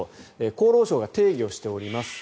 厚労省が定義しております。